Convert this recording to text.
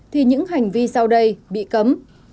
thì những hành vi sau đây bị cấm